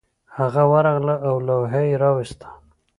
هغه ورغله او لوحه یې راویستله